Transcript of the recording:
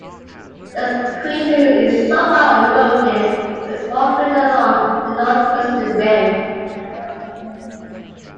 This crater is somewhat eroded, with a small crater along the northwestern rim.